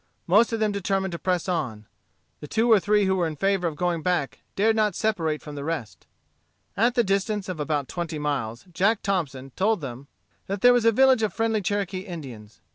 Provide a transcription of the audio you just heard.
Most of them determined to press on. The two or three who were in favor of going back dared not separate from the rest. At the distance of about twenty miles, Jack Thompson told them that there was a village of friendly Cherokee Indians.